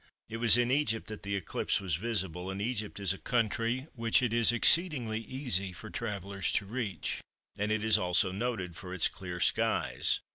It was in Egypt that the eclipse was visible, and Egypt is a country which it is exceedingly easy for travellers to reach, and it is also noted for its clear skies.